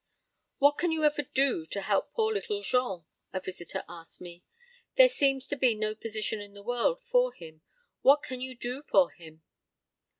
"What can you ever do to help poor Little Jean?" a visitor asked me. "There seems to be no position in the world for him. What can you do for him?"